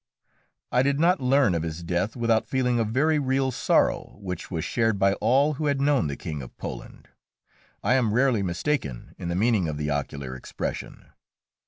I did not learn of his death without feeling a very real sorrow, which was shared by all who had known the King of Poland. I am rarely mistaken in the meaning of the ocular expression.